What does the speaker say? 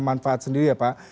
manfaat sendiri ya pak